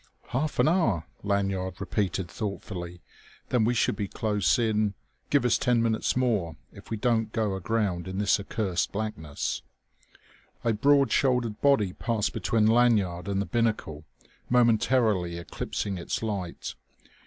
"Half an hour?" Lanyard repeated thoughtfully. "Then we should be close in...." "Give us ten minutes more ... if we don't go aground in this accursed blackness!" A broad shouldered body passed between Lanyard and the binnacle, momentarily eclipsing its light.